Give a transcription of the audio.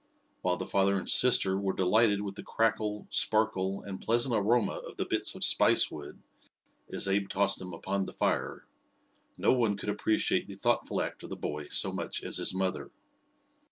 While the father and sister were delighted with the crackle, sparkle and pleasant aroma of the bits of spicewood, as Abe tossed them upon the fire, no one could appreciate the thoughtful act of the boy so much as his mother.